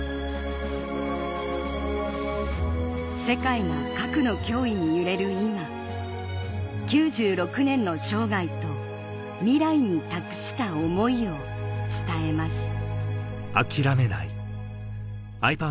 世界が核の脅威に揺れる今９６年の生涯と未来に託した思いを伝えます